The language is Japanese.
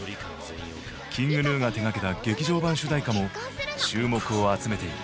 ＫｉｎｇＧｎｕが手がけた劇場版主題歌も注目を集めている。